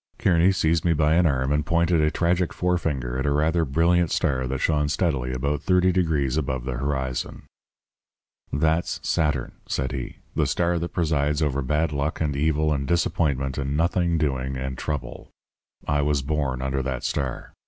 "Kearny seized me by an arm and pointed a tragic forefinger at a rather brilliant star that shone steadily about thirty degrees above the horizon. "'That's Saturn,' said he, 'the star that presides over bad luck and evil and disappointment and nothing doing and trouble. I was born under that star.